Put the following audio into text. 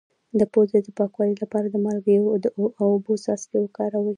د پوزې د پاکوالي لپاره د مالګې او اوبو څاڅکي وکاروئ